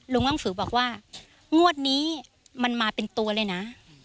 หนังสือบอกว่างวดนี้มันมาเป็นตัวเลยนะ